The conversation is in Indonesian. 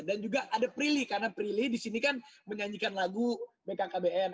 dan juga ada prilly karena prilly di sini kan menyanyikan lagu bkkbn